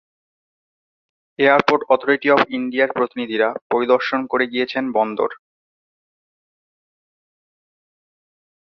Airport authority of ইন্ডিয়ার প্রতিনিধিরা পরিদর্শন করে গিয়েছেন বন্দর।